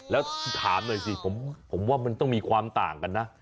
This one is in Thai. แล้วถามหน่อยสิผมว่ามันต้องมีความต่างกันนะ